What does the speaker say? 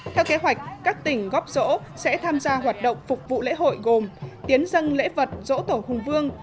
theo kế hoạch các tỉnh góp rỗ sẽ tham gia hoạt động phục vụ lễ hội gồm tiến dân lễ vật dỗ tổ hùng vương